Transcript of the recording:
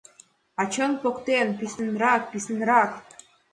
А чон поктен: писынрак, писынрак!